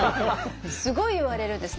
すごい言われるんです。